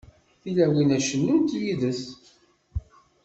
Tilawin ad cennunt yid-s.